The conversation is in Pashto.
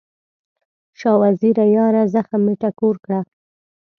شاه وزیره یاره، زخم مې ټکور کړه